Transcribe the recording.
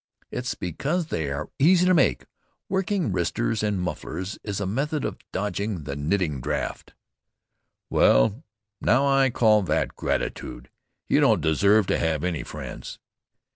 "It's because they are easy to make. Working wristers and mufflers is a method of dodging the knitting draft." "Well, now, I call that gratitude! You don't deserve to have any friends."